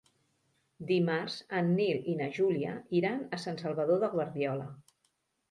Dimarts en Nil i na Júlia iran a Sant Salvador de Guardiola.